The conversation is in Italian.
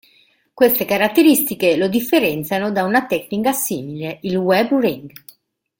Queste caratteristiche lo differenziano da una tecnica simile, il web ring.